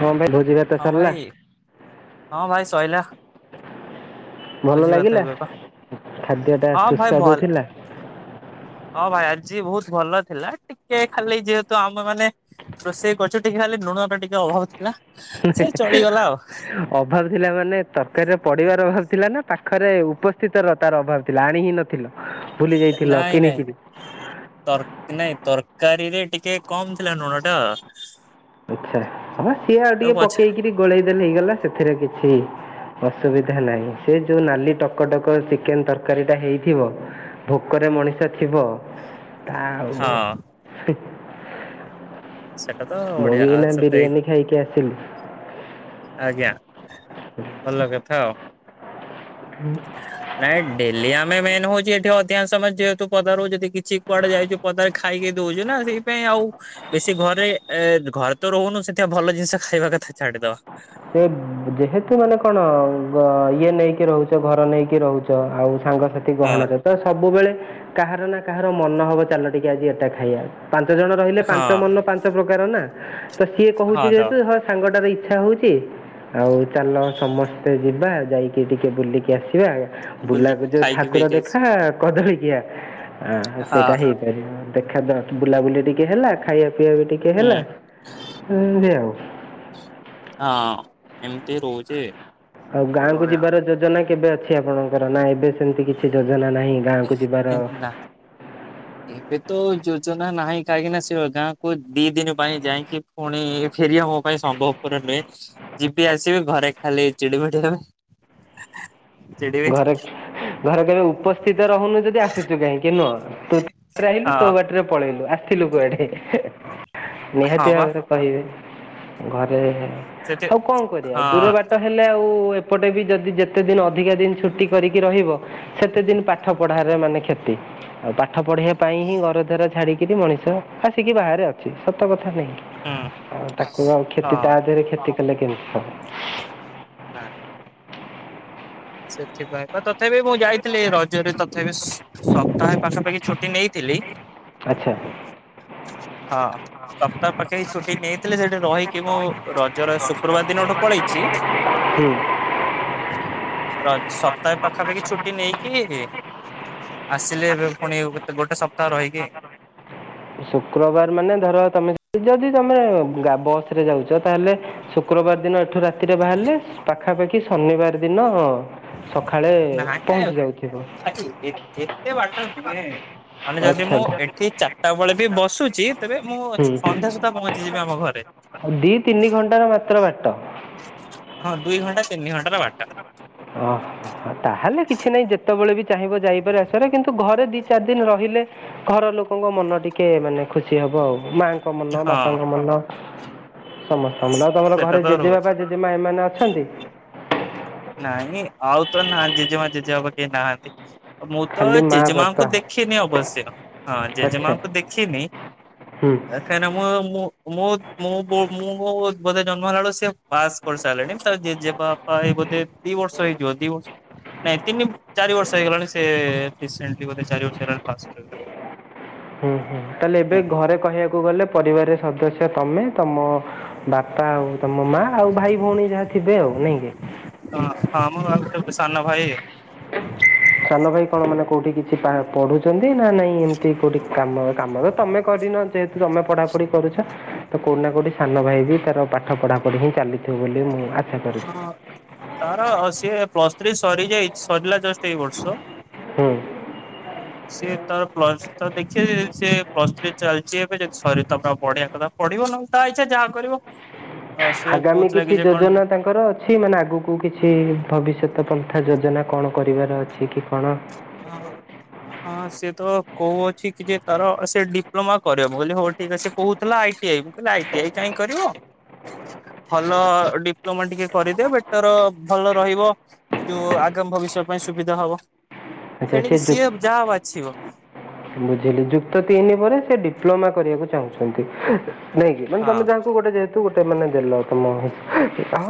ହଁ ଭାଇ ଭୋଜି ଭାତ ହଁ ଭାଇ ସରିଲା। ହଁ ଭାଇ ସଇଲା ଭଲ ଭୋଜିଭାତ ଲାଗିଲା ଏବେ ପା ଖାଦ୍ୟଟା ହଁ ଭାଇ ସୁସ୍ୱାଦୁ ଭଲ ଥଲା। ହଁ ଭାଇ ଆଜି ବହୁତ ଭଲ ଥିଲା ଟିକେ ଖାଲି ଯେହେତୁ ଆମେ ମାନେ ରୋଷେଇ କରୁଛୁ ଟିକେ ଖାଲି ଲୁଣଟା ଟିକେ ଅଭାବ ଥିଲା। ସେ ଚଳିଗଲା ଆଉ ଅଭାବ ଥିଲା ମାନେ ତରକାରୀରେ ପଡିବାର ଅଭାବ ଥିଲା ନା ପା ପାଖରେ ଉପସ୍ଥିତର ତାର ଅଭାବ ଥିଲା ଆଣି ହିଁ ନଥିଲା। ନାଇଁ ନାଇଁ ତର ନାଇଁ ତର୍କ କାରିରେ ଟିକେ କମ ଥିଲା ଲୁଣ ଟା। ଆଛା ହଁ ସିଏ ଆଉ ତାକୁ ଟିକେ ପଛେ ପକେଇକିରି ଗୋଳେଇ ଦେଲେ ହେଇଗଲା ସେଥିରେ କିଛି ଅସୁବିଧା ନାହିଁ ସେ ଯୋଉ ନାଲି ଟକଟକ ଚିକେନ ତରକାରୀ ଟା ହେଇଥିବ ଭୋକରେ ମଣିଷ ଥିବ ତା ହଁ ଆଉ। ସେଟା ତ ଓଡିଆ ବି ଆଉ ଏଇନା ବିରିୟାନୀ ଖାଇକି ଆସିଲି [unintelligible] ଆଜ୍ଞା। ଭଲ କଥା ଆଉ। ନାଇଁ ଡେଲି ଆମେ ମେନ୍ ହଉ ଯଠି ଅଧିକାଶ ସମୟ ଯେହେତୁ ପଦାରରୁ ଯଦି କିଛି କୁଆଡେ ଯାଇଛୁ ପଦାର ଖାଇକି ଦଉଛୁ ନା ସେଇପାଇ ଆଉ ବେଶୀ ଘରେ ଏ ଘରେ ତ ରହୁନୁ ସେଥିପ ଭଲ ଜିନିଷ ଖାଇବା କଥା ଛାଡିଦବା। ସେ ଯେହେତୁ ମାନେ କଣ ଗ ଇଏ ନେଇକି ରହୁଛ ଘର ନେଇକି ରହୁଛ ଆଉ ସାଙ୍ଗ ତି ହଁ ଗହଣରେ ତ ସବୁବେଳେ କାହାର ନା କାହାର ମନ ହବ ଚାଲ ଟିକେ ଆଜି ଏଟା ଖାଇବା। ପାଞ୍ଚ ଜଣ ରହିଲେ ପାଞ୍ଚ ହଁ ମନ ପାଞ୍ଚ ପ୍ରକାର ନା ତ ସିଏ କହୁଛି ହଁ ତ ଯେହେତୁ ହଁ ସାଙ୍ଗଟାର ଇଚ୍ଛା ହଉଛି। ଆଉ ଚାଲ ସମସ୍ତେ ଯିବା ଯାଇକି ଟିକେ ବୁଲିକି ଆସିବା। ବୁଲାକୁ ବୁଲିକି ଯୋଉ ଖାଇକି ଠାକୁର ପିଇକି ଆସି ଦେଖା କଦଳୀକିଆ ହଁ ସେଇଟା ହେଇପାରିବ। ଦେଖାଦ ବୁଲାବୁଲି ଟିକେ ହେଲା ଖାଇବା ପିଇବା ବି ଟିକେ ହୁଁ ହେଲା ଏମତି ଆଉ। ହଁ ଏମିତି ରହୁଚି। ଆଉ ଗାଁକୁ ଯିବାର ଯୋଜନା କେବେ ଅଛି ଆପଣଙ୍କର ନା ଏବେ ସେମିତି କିଛି ଯୋଜନା ନାହିଁ। ଗାଁକୁ ଯିବାର ନା ଏବେ ତ ଯୋ ଯୋଜନା ନାହିଁ କାହିଁକି ନା ସେ ଗାଁକୁ ଦି ଦିନ ପାଇଁ ଯାଇକି ପୁଣି ଫେରିବା ମୋ ପାଇଁ ସମ୍ଭବପର ନୁହେଁ ଯିବି ଆସିବି ଘରେ ଖାଲି ଚିଡି ମିଡି ହେବେ। ଚିଡିବି ଘରେ ଘରେ କେବେ ଉପସ୍ଥିତ ରହୁନୁ ଯଦି ଆସୁଛୁ କାହିଁକି ନୁହଁ ତୁ ତୋର ଆଇଲୁ ତୋ ହଁ ବାଟରେ ପଳେଇଲୁ ଆ ଥିଲୁ କୁଆଡେ ହଁ ନିହାତି ବା ଭାବରେ କହିବେ ଘରେ। ସେଠି ଆଉ କଣ କରିବା ଦୂର ହଁ ବାଟ ହେଲେ ଆଉ ଏପଟେ ବି ଯଦି ଯେତେ ଦିନ ଅଧିକା ଦିନ ଛୁଟି କରିକି ରହିବ ସେତେ ଦିନ ପାଠ ପଢାରେ ମାନେ କ୍ଷତି। ଆଉ ପାଠ ପଢିବା ପାଇଁ ହିଁ ଗର ଛାଡିକିରି ମଣିଷ ଆସିକି ବାହାରେ ଅଛି ସତ କଥା। ହୁଁ ଆଉ ତାକୁ ଆଉ କ୍ଷତି ତା ହଁ ଦେହରେ କ୍ଷତି କଲେ କେମିତି ହବ। ନା। ସେଥିପାଇଁ ତ ତ ତଥାପି ମୁଁ ଯାଇଥିଲି ରଜରେ ତଥାପି ସ୍- ସପ୍ତାହେ ପାଖାପାଖି ଛୁଟି ନେଇଥିଲି ଆଚ୍ଛା। ହଁ। ସପ୍ତାହ ପାଖେ ଛୁଟି ନେଇଥିଲେ ସେଠି ରହିକି ମୁଁ ରଜର ଶୁକ୍ରବାର ଦିନଠୁ ପଳେଇଛି। ହୁଁ। ରଜ ସପ୍ତାହେ ପାଖାପାଖି ଛୁଟି ନେଇକି ଆସିଲେ ଏବେ ପୁଣି ଗୋଟେ ସପ୍ତାହ ରହିବି। ଶୁକ୍ରବାର ମାନେ ଧର ତମେ ଯଦି ତମେ ବସ ରେ ଯାଉଛ ତାହେଲେ ଶୁକ୍ରବାର ଦିନ ଏଠୁ ରାତିରେ ବାହାରିଲେ ପାଖାପାଖି ଶନିବାର ଦିନ ସକାଳେ ନାଇଁ ପହଞ୍ଚି ଯାଇଥିବ। ଭାଇ ଏତେ ବାଟ ନୁହେଁ ମାନେ ଯଦି ଆଚ୍ଛା ମୁଁ ଏଠି ଚାରିଟା ବେଳେ ବି ବସୁଛି ତେବେ ମୁଁ ଅଚ୍ଛ ହୁଁ ସନ୍ଧ୍ୟା ସୁଦ୍ଧା ପହଞ୍ଚିଯିବି ଆମ ଘରେ। ଦି ତିନି ଘଣ୍ଟାର ମାତ୍ର ବାଟ। ହଁ ଦୁଇ ଘଣ୍ଟା ତିନି ଘଣ୍ଟା ର ବାଟ। ଓହୋ ତାହେଲେ କିଛି ନାହିଁ ଯେତେବେଳେ ବି ଚାହିଁବ ଯାଇପାରେ ଆସାରେ କିନ୍ତୁ ଘରେ ଦି ଚାରି ଦିନ ରହିଲେ ଘରର ଲୋକଙ୍କ ମନ ଟିକେ ମାନେ ଖୁସି ହବ ଆଉ ମାଙ୍କ ଙ୍କ ମନ ହଁ ବାପାଙ୍କ ମନ ସମସ୍ତ ତମର ତମର ସେଟା ଘରେ ତ ଜେଜେ ରହୁଛି। ବାପ ଜେଜେ ମା ଏମାନେେ ଅଛନ୍ତି? ନାଇଁ ଆଉ ତ ନାହାନ୍ତି ଜେଜେମା ଜେଜେ ବାପା କେହିଁ ନାହାନ୍ତି। ମୁଁ ତ ଖାଲି ମା ବାପା ଜେଜେମାଙ୍କୁ ଦେଖିନି ଅବଶ୍ୟ ହଁ ଆଚ୍ଛା ଜେଜେମାଙ୍କୁ ଦେଖିନି ହୁଁ କାହିଁକିନା ମୁଁ ମୁଁ ମୁଁ ମୁଁ ମୁଁ ବୋଧେ ଜନ୍ମ ହେଲା ବେଳକୁ ସ ସେଏ ପାସ୍ କରିସାରିଲେଣି ତେଜେ ବାପା ଏ ବୋଧେ ଦିଇ ବର୍ଷ ହେଇଥିବ ଦିଇ ବର୍ଷ ନାଇଁ ତିନି ଚାରି ବର୍ଷ ହେଇଗଲାଣି ସେ ରିସେଣ୍ଟଲି ବୋଧେ ଚାରି ବର୍ଷ ହେଲାଣି ପାସ୍ କରିଗଲେନି। ହୁଁ ହୁଁ ତାହେଲେ ଏବେ ଘରେ କହିବାକୁ ଗଲେ ପରିବାର ସଦସ୍ୟ ତମେ ତମ ବାପା ଆଉ ତମ ମା ଆଉ ଭାଇ ଭଉଣୀ ଯାହା ଥିବେ ଆଉ ନାଇକି। ହଁ ହଁ ମୁଁ ଆଉ ଗୋଟେ ସାନ ଭାଇ। [inaudible] ସାନ ଭାଇ କଣ ମାନେ କୋଉଠି କିଛି ପା-ପଢୁଛନ୍ତି? ନା ନାଇଁ ଏମିତି କୋଉଠି କାମ କାମ ତମେ କରିନ ଯେହେତୁ ତମେ ପଢା ପଢି କରୁଛ ତ କୋଉଠି ନା କୋଉଠି ସାନ ଭାଇ ବି ତାର ପାଠ ପଢା ପଢି ହିଁ ଚାଲିଥିବ ବୋଲି ମୁଁ ଆଶା କରୁଛି ହଁ ତାର ଆଉ ସିଏ ପ୍ଲସ ସରିଯାଇ ସରିଲା ଜଷ୍ଟ ଏଇ ବର୍ଷ। ହୁଁ ସିଏ ତାର ପ୍ଲସ ତ ଦେଖିବେ ସ ପ୍ଲସ ଥ୍ରୀ ଚାଲିଛି ଏବେ ଯଦି ସର ତାର ପଢ଼ିବା କଥା ଯଦି ପଢ଼ିବ ପଢିବ ନହ ତା ଇଚ୍ଛା ଯାହା କରିବ। ସେ ଆଗାମୀ କହୁଥିଲା କି କିଛି ଯେ କଣ ଯୋଜନା ତାଙ୍କର ଅଛି ମାନେ ଆଗକୁ କିଛି ଭବିଷ୍ୟତ ପନ୍ଥା ଯୋଜନା। କଣ କରିବାର ଅଛି କି? କ'ଣ ହଁ ହଁ ସେ ତ କହୁ ଅଛି କି ଯେ ତାର ସେ ଡିପ୍ଲୋମା କରିବ ବୋଲିି ହଉ ଠିକ ସେ କହୁଥିଲା ଆଇଟି ଆଇ। ଆଇଟି ଆଇ କାହିଁ କରିବ? ଭଲ ଡିପ୍ଲୋମା ଟିକେ କରିଦେ ବେଟର ଭଲ ରହିବ। ଯୋଉ ଆଗାମୀ ଭବିଷ୍ୟ ପାଇଁ ସୁବିଧା ହବ। ଆଛା ସେ ତେଣିକି ଯୁ ସିଏ ଯାହା ବାଛିବ ବୁଝିଲି ଯୁକ୍ତ ତିନି ପରେ ସେ ଡିପ୍ଲୋମା କରିବାକୁ ଚାହୁଁଛନ୍ତି ନାଇକି ମାନେ ହଁ ତମେ ଯହାକୁ ଗୋଟେ ଯେ ଗୋଟେ ମାନେ ଦେଲ ତମ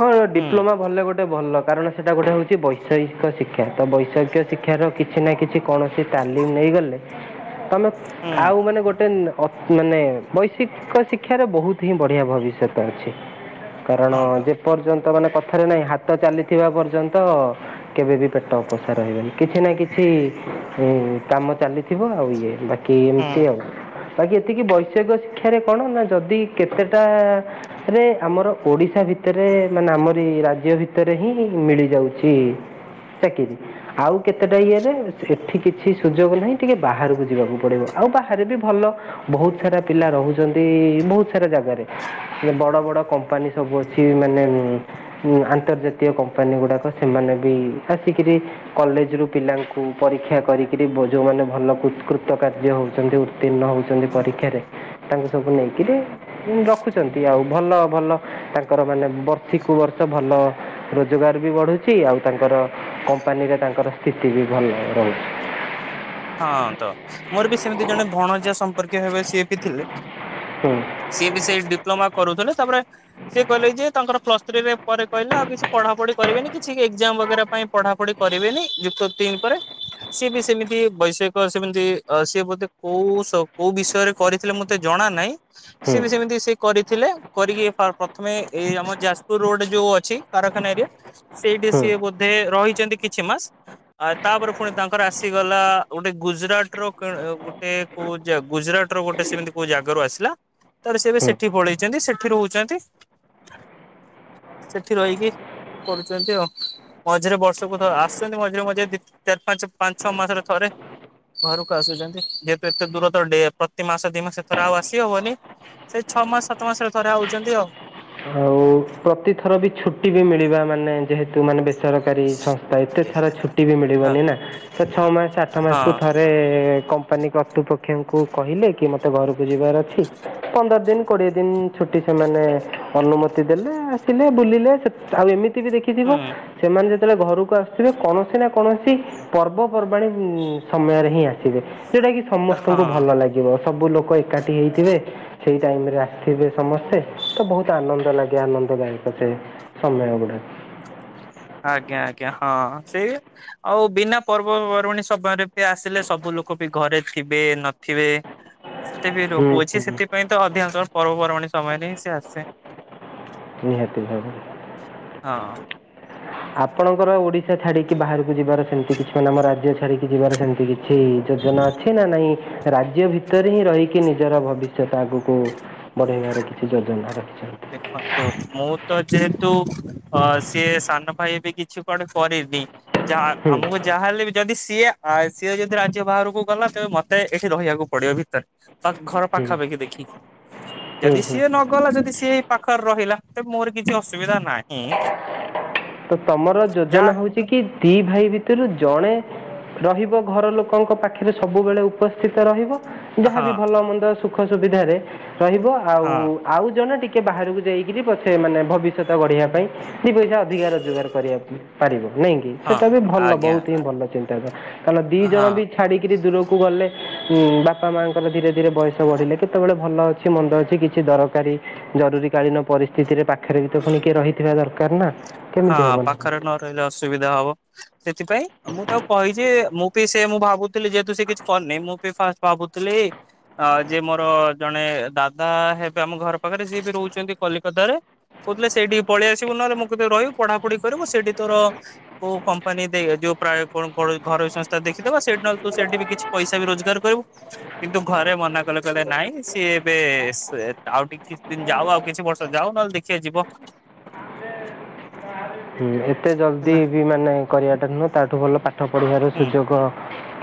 ହଁ ହୁଁ ଡିପ୍ଲୋମା ଭଲଲେ ଗୋଟେ ଭଲ। କାରଣ ସେଇଟା ଗୋଟେ ହେଉଛି ବୈଷୟିକ ଶିକ୍ଷା ତ ବୈଷୟିକ ଶିକ୍ଷାର କିଛି ନା କିଛି କୌଣସି ତାଲିମ ନେଇଗଲେ ତମେ ହୁଁ ଆଉ ମାନେ ଗୋଟେ ମାନେ ବୈଶିକ ଶିକ୍ଷାର ବହୁତ ହିଁ ବଢିଆ ଭବିଷ୍ୟତ ଅଛି। କାରଣ ହଁ ତ ଯେ ପର୍ଯ୍ୟନ୍ତ ମାନେ କଥାରେ ନାହିଁ ହାତ ପ [unintelligible] ଚାଲିଥିବା ପର୍ଯ୍ୟନ୍ତ କେବେ ବିି ପେଟ ଅପୋସା ରହିବନି, କିଛି ନା କିଛି କିଛି କାମ ଚାଲିଥିବ ଆଉ ଇଏ, ବାକି ହୁଁ ଏମିତି ଆଉ ବାକି ଏତିକି ବୈଷୟିକ ଶିକ୍ଷାରେ କଣ ନା ଯଦି କେତେଟା ରେ ଆମର ଓଡିଶା ଭିତରେ ମାନେ, ଆମରି ରାଜ୍ୟ ଭିତରେ ହିଁ ମିଳିଯାଉଛି। ଚାକିରି ଆଉ କେତେ? ଇରେ ଏଠି କିଛି ସୁଯୋଗ ନାହିଁ ଟିକେ ବାହାରକୁ ଯିବାକୁ ପଡିବ ଆଉ ବାହାରେ ବି ଭଲ ବହୁତ ବହୁତ ସାରା ପିଲା ରହୁଛନ୍ତି, ବହୁତ ସାରା ଜାଗାରେ, ବଡ ବଡ କମ୍ପାନୀ ସବୁ ଅଛି, ମାନେ ଆନ୍ତର୍ଜାତୀୟ କମ୍ପାନୀ ଗୁଡାକ, ସେମାନେ ବି ଆସିକରି କଲେଜ ରୁ ପିଲାଙ୍କୁ ପରୀକ୍ଷା କରିକିରି ଯେଉଁମାନେ ଭଲକୃତ କାର୍ଯ୍ୟ ହେଉଛନ୍ତି ଉତୀର୍ଣ୍ଣ ହଉଛନ୍ତି ହୁଁ ପରୀକ୍ଷାରେ ତାଙ୍କୁ ସବୁ ନେଇକିରି ରଖୁଛନ୍ତି ଆଉ ଭଲ ଭଲ ତାଙ୍କର ମାନେ ବର୍ଷିକୁୁ ବର୍ଷ ଭଲ ରୋଜଗାର ବି ବଢୁଛି ଆଉ ତାଙ୍କର କମ୍ପାନୀରେ ତାଙ୍କର ସ୍ଥିତି ବି ଭଲ ରହୁଛି। ହଁ ତ ମୋର ବି ସେମିତି ଜଣେ ଭଣଜିଆ ସମ୍ପର୍କୀୟ ହେବେ ସିଏ ବି ଥିଲେ। ସେ ବି ସେଇଠି ଡିପ୍ଲୋମା କରୁଥିଲେ, ତାପରେ ସିଏ କହିଲେ ଯେ ତାଙ୍କର ପ୍ଲସ୍ ଥ୍ରୀରେ ପରେ କହିଲେ -ଆଉ କିଛି ପଢାପଢି କରିବେନି କିଛି କି ଏଜାମ ବଗେରା ପାଇଁ ପଢାପଢି କରିବେନି, ଯୁକ୍ତ ତିନି ପରେ, ସିଏ ବି ସେମିତି ବୈଷୟିକ ସେମିତି ସିଏ ବୋତେ କୋଉ କୋଉ ବିଷୟରେ କରିଥିଲେ ମତେ ଜଣା ନାହିଁ ହୁଁ ହୁଁ ସେମିତି ସେ କରିଥିଲେ କରିକି ପ୍ରଥମେ ଏଇ ଆମ ଯାଜପୁର ରୋଡ ଯୋଉ ଅଛି କାରଖାନା ଏରିଆ ସେଇଠି ହୁଁ ସିଏ ବୋଧେ ରହିଛନ୍ତି କିଛି ମାସ, ତାପରେ ପୁଣି ତାଙ୍କର ଆସିଗଲା ଗୋଟେ ଗୁଜୁରାଟ ର ଗୋଟେ କୋଉ ଗୁଜୁରାଟ ର ଗୋଟେ ସେମିତି କୋଉ ଜାଗାରୁ ଆସିଲା। ତାର ସେ ଏବେ ହୁଁ ସେଠି ପଳେଇଛନ୍ତି, ସେଠି ରହୁଛନ୍ତି ସେଠି ରହିକି କରୁଛନ୍ତି, ଆଉ ମଝିରେ ବର୍ଷକୁ ଥ ଆସୁଛନ୍ତି, ମଝିରେ ମଝିରେ ଦ ଚାରି ପାଞ୍ଚ ପାଞ୍ଚ ଛଅ ମାସରେ ଥରେ ଘରକୁ ଆସୁଛନ୍ତି, ଯେହେତୁ ଏତେ ଦୂର ତ ପ୍ରତି ମାସ ଦି ମାସଥର ଆଉ ଆସି ହବନି। ସେଇ ଛଅ ମାସ ସାତ ମାସରେ ଥରେ ଆଉଛନ୍ତି ଆଉ ଆଉ ପ୍ରତିଥର ବି ଛୁଟି ବି ମିଳିବା ମାନେ ଯେହେତୁ ମାନେ ବେଶୀ ସରକାରୀ ସଂସ୍ଥା ଏତେ ଥର ଛୁଟି ବି ହଁ ମିଳିବନି ନା ତ ଛଅ ମାସ ଆଠ ମାସକୁ ଥରେ କମ୍ପାନୀ କର୍ତ୍ତୃପକ୍ଷଙ୍କୁ କହିଲେ କି ମତେ ଘରକୁ ଯିବାର ଅଛି, ପନ୍ଦର ଦିନ କୋଡିଏ ଦିନ ଛୁଟି ସେମାନେ ଅନୁମତି ଦେଲେ, ଆସିଲେ, ବୁଲିଲେ ଆଉ ଏମିତି ବି ଦେଖିଥିବ ହୁଁ ସେମାନେ ଯଦି ଯେତେବେଳେ ଘରକୁ ଆସୁଥିବେ କୌଣସି ନା କୌଣସି ପର୍ବପର୍ବାଣୀ ସମୟରେ ହିଁ ଆସିବେ। ସେଇଟା କି ସମସ୍ତଙ୍କୁ ହଁ ଭଲ ଲାଗିବ। ସବୁ ଲୋକ ଏକାଠି ହେଇଥିବେ, ସେଇ ଟାଇମ ରେ ଆସିଥିବେ ସମସ୍ତେ, ତ ବହୁତ ଆନନ୍ଦ ଲାଗେ। ନି ଆାନନ୍ଦ ଦାୟକ ସେ ସମ୍ମେଳନଟା। ଆଜ୍ଞା, ଆଜ୍ଞା, ହଁ ସେଇ ଆଉ ବିନା ପର୍ବପର୍ବାଣୀ ସମୟରେ ବି ଆସିଲେ ସବୁ ଲୋକ ବି ଘରେ ଥିବେ, ନଥିବେ, ସେତେ ବି ହୁଁ ରହୁଅଛି ହୁଁ ସେଥିପାଇଁ ତ ଅଧିକାଂଶ ପର୍ବପର୍ବାଣୀ ସମୟରେ ହିଁ ସେ ଆସେ। ନିହାତି ଭାବରେ ହଁ ଆପଣଙ୍କର ଓଡିଶା ଛାଡିକି ବାହାରକୁ ଯିବାର ସେମିତି କିଛି ମାନେ, ଆମ ରାଜ୍ୟ ରିକି ଯିବାର ସେମିତି କିଛି ଯୋଜନା ଅଛି ନା ନାଇଁ? ରାଜ୍ୟ ଭିତରେ ହିଁ ରହିକି ନିଜର ଭବିଷ୍ୟତ ଆଗକୁ ବଢେଇବାର କିଛି ଯୋଜନା ର? ଦେଖନ୍ତୁ, ମୁଁ ତ ଯେହେତୁ ଅ ସିଏ ସାନ ଭାଇ ବି କିଛି କଣ କରିନି ଯାହା, ହୁଁ ଆମକୁ ଯାହାହ ହେଲେ ବି ଯଦି ସିଏ ସିଏ ଯଦି ରାଜ୍ୟ ବାହାରକୁ ଗଲା ତେବେ ମତେ ଏଠି ରହିବାକୁ ପଡିବ ଭିତରେ ତା ଘର ହୁଁ ପାଖାପାଖି ଦେଖିକି, ହୁଁ ଯଦି ହୁଁ ସିଏ ନଗଲା ଯଦି ସିଏ ଏଇ ରହିଲା ତ, ମୋର କିଛି ଅସୁବିଧା ନାହିଁ। ତ ତମର ଯାହା ଯୋଜନା ହଉଛି କି, ଦି ଭାଇ ଭିତରୁ ଜଣେ ରହିବ ଘର ଲୋକଙ୍କ ପାଖରେ ସବୁବେଳେ ଉପସ୍ଥିତ ରହିବ। ଯାହାବି ହଁ ଭଲ ମନ୍ଦ ସୁଖ ସୁବିଧାରେ ରହିବ ଆଉ, ହଁ ଆଉ ଜଣେ ଟିକେ ଟିକେ ବାହାରକୁ ଯାଇକିରି ପଛେ ମାନେ ଭବିଷ୍ୟତ ଗଢିବା ପାଇଁ ଛି ପଇସା ଅଧିକା ରୋଜଗାର କରିବା ପାରିବ ନାଇଁ କିି ହଁ ସେଇଟା ବି ଭଲ ଆଜ୍ଞା ବହୁତ ହିଁ ଆଜ୍ଞା ଭଲ ଚିନ୍ତାଧାରା ତାଲ ଦି ଜଣ ହଁ। ବି ଛାଡିକିରି ଦୂରକୁ କୁ ଗଲେ ବାପା ମାଙ୍କର ଧୀରେ ଧୀରେ ବୟସ ବଢିଲେ କେତେବେଳେ ଭଲ ଅଛି ମନ୍ଦ ଅଛି କିଛି ଦରକାରୀ ଜରୁରୀ କାଳୀନ ପରିସ୍ଥିତିରେ ପାଖରେ ବି ତ ପୁଣି କିଏ ରହିଥିବା ଦରକାର ନା। ହଁ କେମିତି ହବ ପାଖରେ ନ ରହିଲେ ଅସୁବିଧା ହବ ସେଥିପାଇଁ ମୁଁ ତାକୁ କହିଚି ମୁଁ ତେ ସେ ମୁଁ ଭାବୁଥିଲି ଯେହେତୁ ସେ କିଛି କରିନି ମୁଁ ବି ଫାଷ୍ଟ ଭାବୁଥିଲି ଅ ଯେ ମୋର ଜଣେ ଦାଦା ହେବେ ଆମ ଘର ପାଖରେ ସିଏ ବି ରହୁଚନ୍ତି କଲିକତାରେ। କହୁଥିଲେ ସେଠି ପଳେଇ ଆସିବୁ ନହେଲେ ମୁଁ ରହିବୁ ପଢାପଢି କରିବୁ ସେଠି ତୋ କୋଉ କମ୍ପାନୀ ଦେଇ ଯୋଉ ପ୍ରାୟ ଘରୋଇ ସଂସ୍ଥା ଦେଇ ଦେଖିଦବ ସେଠି ନହେଲେ ତୁ ସେଠି ବି କିଛି ପଇସା ବି ରୋଜଗାର କରିବୁ କିନ୍ତୁ ଘରେ ମନା କଲେ କହିଲେ ନାଇଁ ସିଏ ଏବେ ଏ ସେ ଆଉ ଟିକେ କିଛି ଦିନ ଯାଉ ଆଉ କିଛି ବର୍ଷ ଯାଉ ନହେଲେ ଦେଖିଆ ଯିବ। ହୁଁ ଏତେ ଜଲଦି ହେଲା ବି ମାନେ କରିବାଟା ନୁହଁ ତାଠୁ ଭଲ ପା ପାଠ ପଢିବାର ହୁଁ ସୁଯୋଗ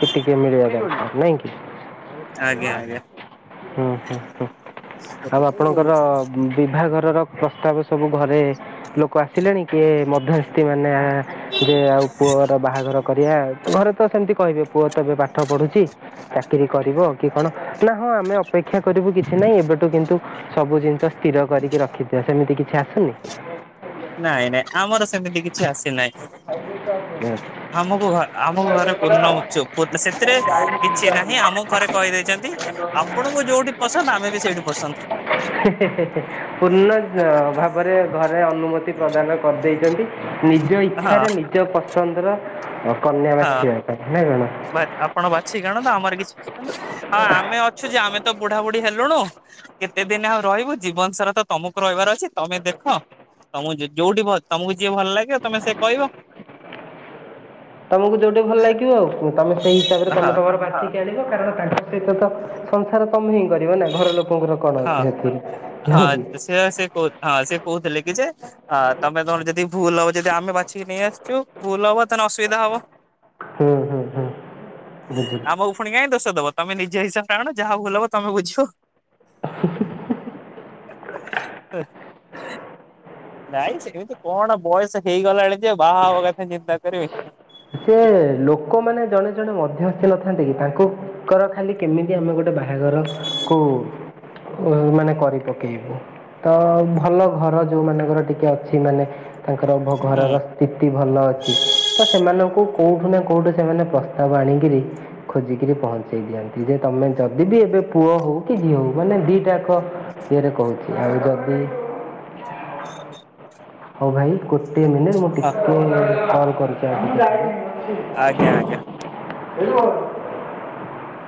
କେ ଟିକେ ମିଳିବା ଦରକାର ନାଇଁ କି ଆଜ୍ଞା ଆଜ୍ଞା। ହୁଁ ହୁଁ ହୁଁ ଆଉ ଆପଣଙ୍କର ବିଭାଘରର ପ୍ରସ୍ତାବ ସବୁ ଘରେ ଲୋକ ଆସିଲେଣି କିଏ ମଧ୍ୟସ୍ଥି ମାନେ ଯେ ଆଉ ପୁଅର ବାହାଘର କରିୟା। ଘରେ ତ ସେମିତି କହିବେ ପୁଅ ତ ଏବେ ପାଠ ପଢୁଚି ଚାକିରି କରିବ କି କଣ ନା ହଁ ଆମେ ଅପେକ୍ଷା କରିବୁ କିଛି ନାହିଁ ଏବେଠୁ କିନ୍ତୁ ସବୁ ଜିନିଷ ସ୍ଥିର କରିକି ରଖିଥିବ ସେମିତି କିଛି ଆସୁନି। ନାଇଁ ନାଇଁ ଆମର ସେମିତି କିଛି ଆସିନାଇ। ହୁଁ। ଆମକୁ ଘ ଆମକୁ ଘରେ ପୂର୍ଣ୍ଣ ମୁଚକ ପାଇଁ ସେଥିରେ କିଛି ନାହିଁ ଆମକୁ ଘରେ କହିଦେଇଚନ୍ତି ଆପଣଙ୍କୁ ଯୋଉଠି ପସନ୍ଦ ଆମେ ବି ସେଇଠି ପସନ୍ଦ। ହେ ହେ ହେ ପୂର୍ଣ ଭାବରେ ଘରେ ଅନୁମତି। ପ୍ରଦାନ କରିଦେଇଚନ୍ତି ନିଜ ହଁ ଇଚ୍ଛାରେ ନିଜ ପସନ୍ଦର କନ୍ୟା ବାଛିବ ହଁ ନା କ'ଣ ଆପଣ ବାଛିକି ଆଣତୁ ଆମର କିଛି ଯିବନି ହଁ ଆମେ ଅଛୁ ଯେ ଆମେ ତ ବୁଢା ବୁଢୀ ହେଲୁଣୁ କେତେ ଦିନ ଆଉ ରହିବୁ ଜୀବନ ସାରା ତ ତମକୁ ରହିବାର ଅଛି ତମେ ଦେଖ ତମ କୁ ଯିଏ ଯୋଉଠି ତମକୁ ଯିଏ ଭଲ ଲାଗିବ ତମେ ସେ କହିବ। ତମକୁ ଯୋଉଠି ଭଲ ଲାଗିବ ଆଉ ତମେ ସେଇ ହିସାବରେ ହଁ ତମେ ତମର ପାଟି କାଢିବ। କାରଣ ତାଙ୍କ ସହିତ ତ ସଂସାର ତମେ ହିଁ କରିବ ନା ଘର ଲୋକଙ୍କର କଣ ହଁ। ଅଛି ସେଥିରେ ନୁହେଁ କି ହଁ ସେ ସେ କହୁ ହଁ ସେ କହୁଥିଲେ କି ଯେଁ ତମେ ତମର ଯଦି ଭୁଲ ହବ ଯଦି ଆମେ ବାଛିିକି ନେଇ ଆସିଚୁ ଭୁଲ ହବ ତାହେଲେ ଅସୁବିଧା ହବ। ହୁଁ ହୁଁ ହୁଁ ବୁଝିଲି ଆମକୁ ପୁଣି କାଇଁ ଦୋଷ ଦବ ତମେ ନିଜେ ହିସାବରେ ଆଣ। ଯାହା ହଉ ଭଲ ହବ ତମେ ବୁଝିବ। [inaudible] ନାଇଁ ସେମିତି କଣ ବୟସ ହେଇଗଲାଣି ବାହା କଥା ଚିନ୍ତା କରିବି। ସେ ଲୋକମାନେ ଜଣେ ଜଣେ ମଧ୍ୟ ହେଲ ନଥାନ୍ତି କି ତାଙ୍କୁ ଙ୍କର ଖାଲି କେମିତି ଆମେ ଗୋଟେ ବାହାଘରକୁ ମାନେ କରି ପକେଇବୁ। ତ ଭଲ ଘର ଯୋଉ ମାନଙ୍କର ଟିକେ ଅଛି ମାନେ ତାଙ୍କର ହୁଁ ଘରର ସ୍ଥିତି ଭଲ ଅଛି। ଲୋକ କୋଉଠୁ ନା କୋଉଠୁ ସେମାନେ ପ୍ରସ୍ତାବ ଆଣିକିରି ଖୋଜିକିରି ପହଞ୍ଚେଇ ଦିଅନ୍ତି ଯେ ତମେ ଯଦି ଦିବି ଏବେ ପୁଅ ହଉ କି ଝିଅ ହଉ ମାନେ ଦିଟାକ ଇଏରେ କହୁଛି ଆଉ ଯଦି ହ ହଉ ଭାଇ ଗୋଟିଏ ମିନିଟ ମୁଁ ହଁ ଟିକେ କଲ କରିଚି ଆ ଆଜ୍ଞା ଆଜ୍ଞା। [inaudible]